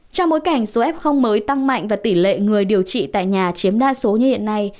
trong bối cảnh số f mới tăng mạnh và tỷ lệ người điều trị tại nhà chiếm đa số như hiện nay